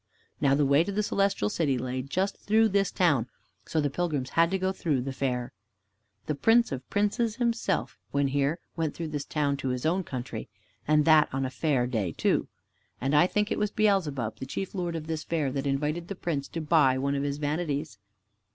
Now the way to the Celestial City lay just through this town, so the pilgrims had to go through the fair. The Prince of princes Himself, when here, went through this town to his own country, and that on a fair day too. And, I think, it was Beelzebub the chief lord of this fair that invited the Prince to buy of his vanities.